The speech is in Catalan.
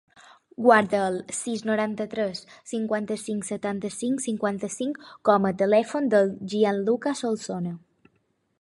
Guarda el sis, noranta-tres, cinquanta-cinc, setanta-cinc, cinquanta-cinc com a telèfon del Gianluca Solsona.